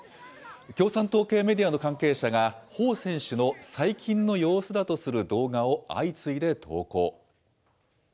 共産党系メディアの関係者が、彭選手の最近の様子だとする動画を相次いで投稿。